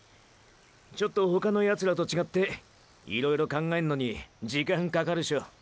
ちょっと他のヤツらと違っていろいろ考えんのに時間かかるショ。